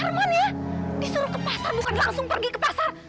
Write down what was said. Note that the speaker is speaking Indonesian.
ya ampun bener bener sih arman ya disuruh ke pasar bukan langsung pergi ke pasar